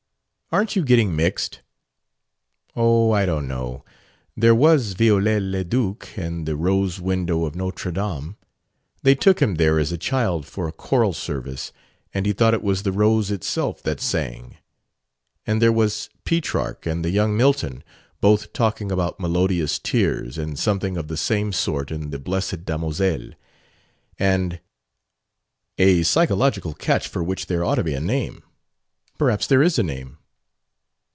Aren't you getting mixed?" "Oh, I don't know. There was Viollet le Duc and the rose window of Notre Dame. They took him there as a child for a choral service, and he thought it was the rose itself that sang. And there was Petrarch, and the young Milton both talking about 'melodious tears' and something of the same sort in 'The Blessed Damosel.' And " "A psychological catch for which there ought to be a name. Perhaps there is a name."